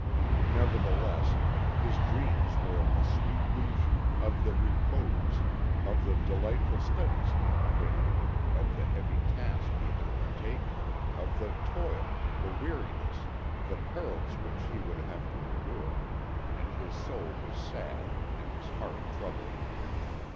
Nevertheless, his dreams were of the sweet leisure, of the repose, of the delightful studies he had quitted, of the heavy task he had undertaken, of the toil, the weariness, the perils which he would have to endure, and his soul was sad and his heart troubled.